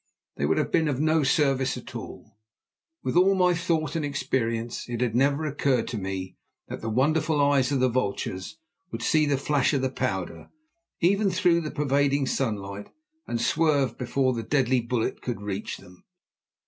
they would have been of no service at all. With all my thought and experience, it had never occurred to me that the wonderful eyes of the vultures would see the flash of the powder even through the pervading sunlight, and swerve before the deadly bullet could reach them.